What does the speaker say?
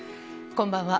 こんばんは。